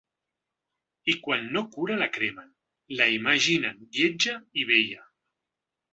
I quan no cura la cremen, la imaginen lletja i vella.